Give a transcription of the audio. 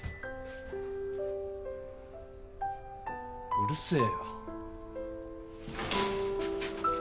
うるせえよ。